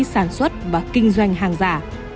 sản xuất và kinh doanh hàng giả